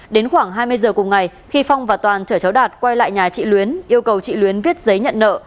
đến khoảng hai mươi giờ cùng ngày khi phong và toàn chở cháu đạt quay lại nhà chị luyến yêu cầu chị luyến viết giấy nhận nợ